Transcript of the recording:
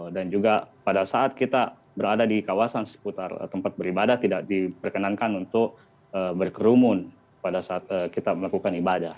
dan juga pada saat kita berada di kawasan seputar tempat beribadah tidak diperkenankan untuk berkerumun pada saat kita melakukan ibadah